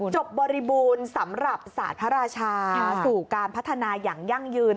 บริบูรณ์สำหรับศาสตร์พระราชาสู่การพัฒนาอย่างยั่งยืน